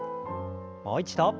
もう一度。